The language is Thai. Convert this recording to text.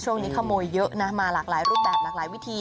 ช่วงนี้ขโมยเยอะนะมาหลากหลายรูปแบบหลากหลายวิธี